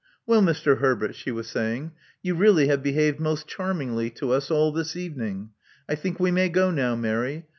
Well, Mr. Herbert," she was saying, you really have behaved most charmingly to us all the evening. I think we may go now, Mary.